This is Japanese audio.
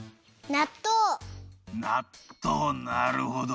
なっとうなるほど。